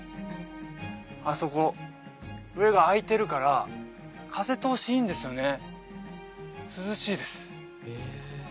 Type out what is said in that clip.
あそこ上が開いてるから風通しいいんですよね